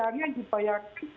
nah ini mas